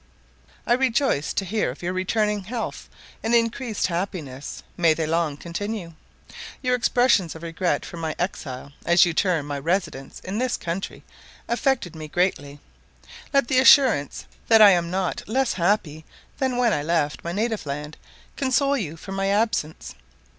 I rejoiced to hear of your returning health and increased happiness may they long continue. Your expressions of regret for my exile, as you term my residence in this country, affected me greatly. Let the assurance that I am not less happy than when I left my native land, console you for my absence.